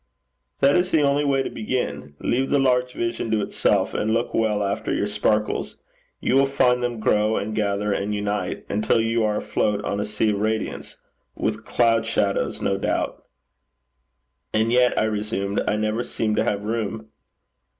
'That is the only way to begin. Leave the large vision to itself, and look well after your sparkles. You will find them grow and gather and unite, until you are afloat on a sea of radiance with cloud shadows no doubt.' 'And yet,' I resumed, 'I never seem to have room.'